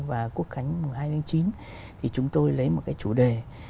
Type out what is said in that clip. và quốc cánh hai tháng chín thì chúng tôi lấy một chủ đề